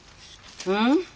うん？